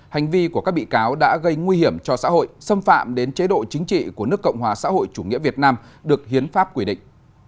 hành vi của các bị cáo đã gây nguy hiểm cho xã hội xâm phạm đến chế độ chính trị của nước cộng hòa xã hội chủ nghĩa việt nam được hiến pháp quy định